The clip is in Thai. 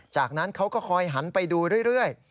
จากนั้นเขาก็คอยหันไปดูเรื่อย